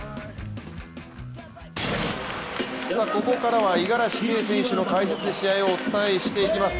ここからは、五十嵐圭選手の解説で試合をお伝えしていきます。